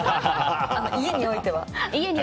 家においては。